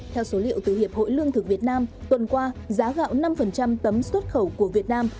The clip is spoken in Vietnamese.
theo số liệu từ hiệp hội lương thực việt nam tuần qua giá gạo năm tấm xuất khẩu của việt nam